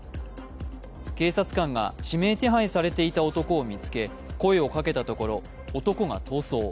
警察官が指名手配されていた男を見つけ声をかけたところ男が逃走。